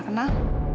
kok mbak lila di sini